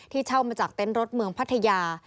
เช่ามาจากเต็นต์รถเมืองพัทยา